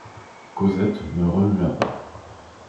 Cosette ne remua pas.